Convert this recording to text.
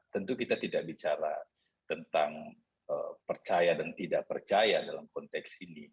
tentu kita tidak bicara tentang percaya dan tidak percaya dalam konteks ini